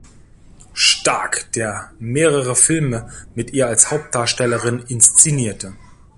Stark, der mehrere Filme mit ihr als Hauptdarstellerin inszenierte.